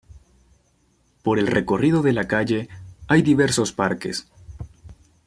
Por el recorrido de la calle hay diversos parques.